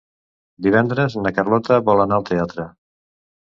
Divendres na Carlota vol anar al teatre.